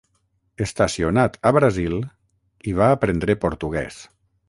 Estacionat a Brasil, hi va aprendre portuguès.